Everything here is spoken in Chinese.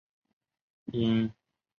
因为鹰潭在江西省算是个体育弱市。